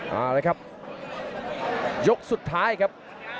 มาเลยครับยกสุดท้ายครับ